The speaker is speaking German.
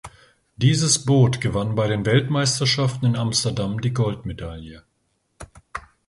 Dieses Boot gewann bei den Weltmeisterschaften in Amsterdam die Goldmedaille.